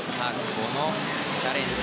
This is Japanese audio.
今のチャレンジ